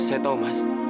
saya tahu mas